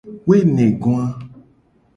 Woenegoa.